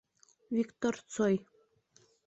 Виктор Цой